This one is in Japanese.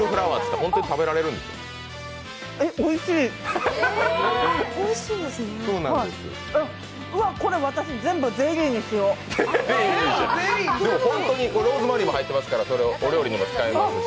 ほんとにローズマリーも入っていますからお料理にも使えますし。